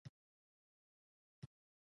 انګلیسي د افریقا په برخو کې رواج لري